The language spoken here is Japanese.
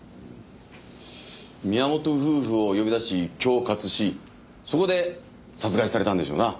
宮本夫婦を呼び出し恐喝しそこで殺害されたんでしょうな。